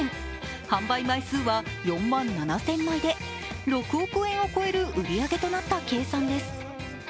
販売枚数は４万７０００枚で６億円を超える売り上げとなった計算です。